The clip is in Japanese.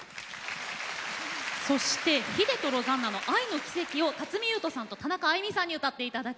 そしてヒデとロザンナの「愛の奇跡」を辰巳ゆうとさんと田中あいみさんに歌って頂きます。